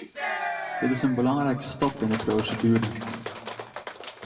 Dit is een belangrijke stap in de procedure.